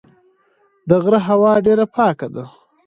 د غره هوا ډېره پاکه ده.